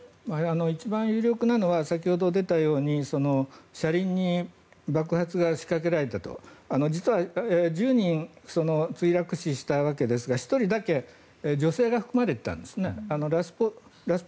一番有力なのは先ほど出たように車輪に爆発が仕掛けられたと実は１０人墜落死したわけですが１人だけ女性が含まれていたんですね。